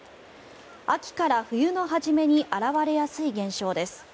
秋から冬の初めに現れやすい現象です。